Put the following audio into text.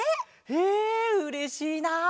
へえうれしいな！